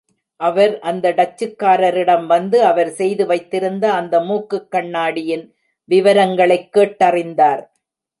அவர் அந்த டச்சுக்காரரிடம் வந்து அவர் செய்து வைத்திருந்த அந்த மூக்குக்கண்ணாடியின் விவரங்களைக் கேட்டறிந்தார்.